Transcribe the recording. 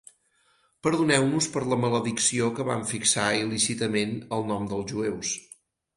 Perdoneu-nos per la maledicció que vam fixar il·lícitament al nom dels jueus.